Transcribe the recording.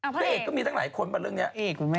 พระเอกก็มีตั้งหลายคนป่ะเรื่องนี้